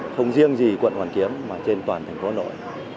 không riêng gì quận hoàn kiếm mà trên toàn thành phố hà nội